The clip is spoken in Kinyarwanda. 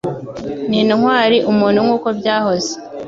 Ni intwari umuntu nkuko byahoze